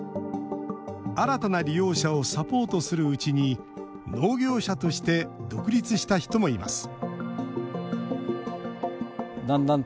新たな利用者をサポートするうちに農業者として独立した人もいます